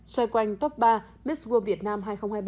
xoay quanh top ba miss world việt nam